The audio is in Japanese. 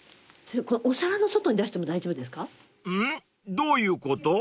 どういうこと？］